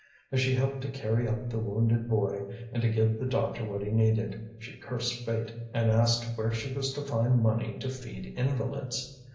As she helped to carry up the wounded boy and to give the doctor what he needed, she cursed fate, and asked where she was to find money to feed invalids.